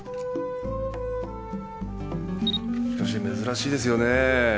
しかし珍しいですよね。